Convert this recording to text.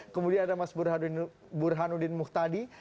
kemudian ada mas burhanuddin muhtadi